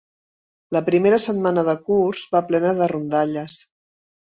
La primera setmana de curs va plena de rondalles.